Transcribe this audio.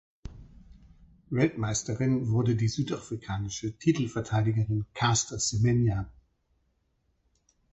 Weltmeisterin wurde die südafrikanische Titelverteidigerin Caster Semenya.